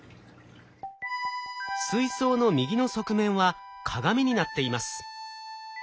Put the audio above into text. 水槽の右の側面は鏡になっています。